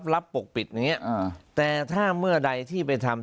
ปกปิดอย่างเงี้แต่ถ้าเมื่อใดที่ไปทำ